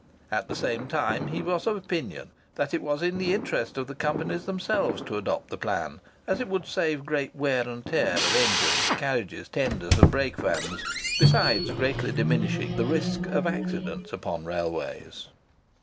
At the same time he was of opinion that it was the interest of the companies themselves to adopt the plan, as it would save great tear and wear of engines, carriages, tenders, and brake vans, besides greatly diminishing the risk of accidents upon railways.